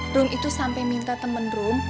rum itu sampe minta temen rum